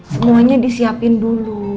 semuanya disiapin dulu